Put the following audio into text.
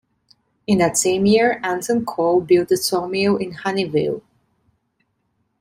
In that same year Anson Call built a sawmill in Honeyville.